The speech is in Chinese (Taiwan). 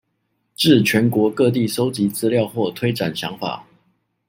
至全國各地蒐集資料或推展想法